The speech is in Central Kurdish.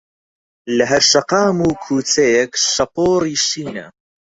لەهەر شەقام و کووچەیەک شەپۆڕی شینە